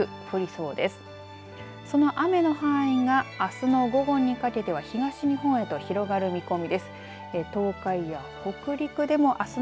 その雨の範囲があすの午後にかけては東日本へと広がる見込みです。